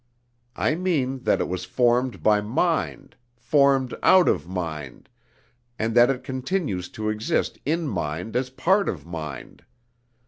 I mean that it was formed by mind, formed out of mind, and that it continues to exist in mind as a part of mind.